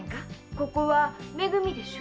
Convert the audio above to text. ここは「め組」でしょ？